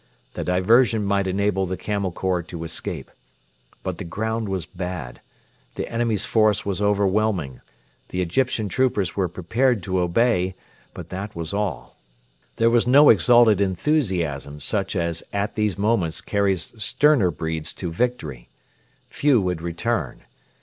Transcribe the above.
The diversion might enable the Camel Corps to escape. But the ground was bad; the enemy's force was overwhelming; the Egyptian troopers were prepared to obey but that was all. There was no exalted enthusiasm such as at these moments carries sterner breeds to victory. Few would return.